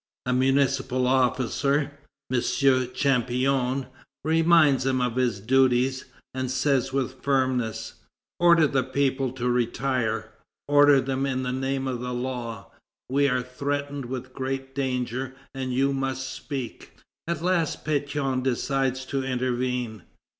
A municipal officer, M. Champion, reminds him of his duties, and says with firmness: "Order the people to retire; order them in the name of the law; we are threatened with great danger, and you must speak." At last Pétion decides to intervene.